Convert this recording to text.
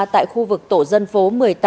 tại khu vực tổ dân phố một mươi tám